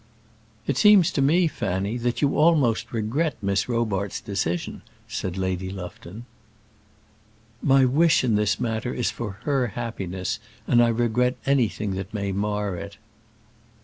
"It seems to me, Fanny, that you almost regret Miss Robarts' decision," said Lady Lufton. "My wish in this matter is for her happiness, and I regret anything that may mar it."